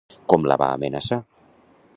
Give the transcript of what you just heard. Com la va amenaçar?